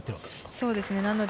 そうですね。